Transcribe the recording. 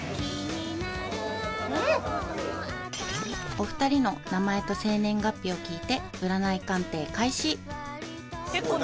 ［お二人の名前と生年月日を聞いて占い鑑定開始］